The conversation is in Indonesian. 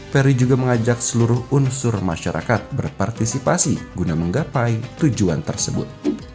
ferry juga mengajak seluruh unsur masyarakat berpartisipasi guna menggapai tujuan tersebut